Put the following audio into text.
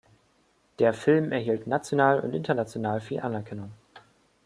Der Film erhielt national und international viel Anerkennung.